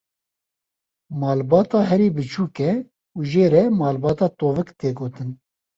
Malbata herî biçûk e, û jê re malbata tovik tê gotin.